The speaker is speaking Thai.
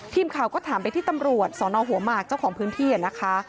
ทีมข่าวก็ถามไปที่ตำรวจสนหัวหมากเจ้าของพื้นที่นะคะ